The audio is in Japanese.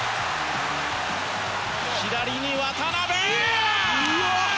左に渡邊！